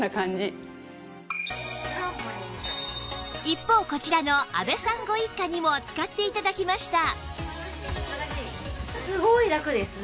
一方こちらの阿部さんご一家にも使って頂きました